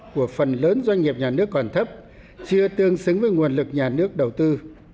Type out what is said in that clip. các doanh nghiệp nhà nước còn thấp chưa tương xứng với nguồn lực nhà nước đầu tư